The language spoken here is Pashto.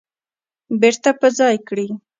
بیرته په ځای کړي